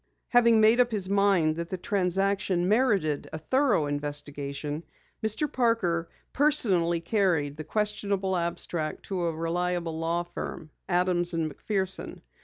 Having made up his mind that the transaction merited a thorough investigation, Mr. Parker personally carried the questionable abstract to a reliable law firm, Adams and McPherson.